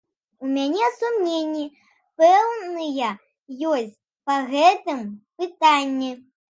У мяне сумненні пэўныя ёсць па гэтым пытанні.